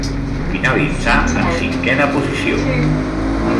Finalitzà en cinquena posició.